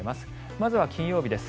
まずは金曜日です。